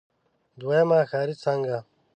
دويمه ښاري څانګه.